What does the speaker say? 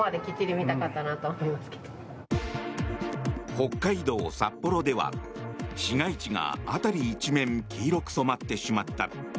北海道札幌では市街地が辺り一面黄色く染まってしまった。